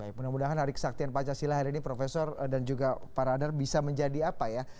baik mudah mudahan hari kesaktian pancasila hari ini profesor dan juga pak radar bisa menjadi apa ya